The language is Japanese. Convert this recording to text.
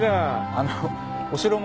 あの。